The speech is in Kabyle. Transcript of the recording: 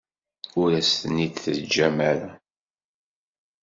Ur as-ten-id-teǧǧam ara.